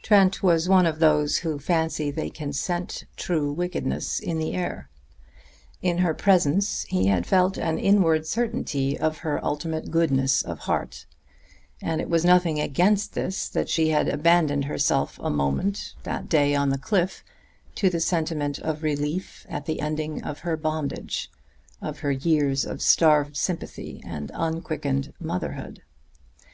Trent was one of those who fancy they can scent true wickedness in the air. In her presence he had felt an inward certainty of her ultimate goodness of heart; and it was nothing against this, that she had abandoned herself a moment, that day on the cliff, to the sentiment of relief at the ending of her bondage, of her years of starved sympathy and unquickened motherhood.